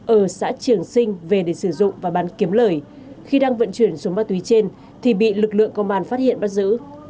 ở xã trường sinh về để sử dụng và bán kiếm lời khi đang vận chuyển số ma túy trên thì bị lực lượng công an phát hiện bắt giữ